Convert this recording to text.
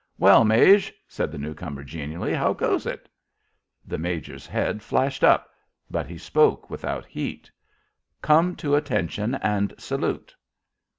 "Well, Maje," said the newcomer, genially, "how goes it?" The major's head flashed up, but he spoke without heat. "Come to attention and salute."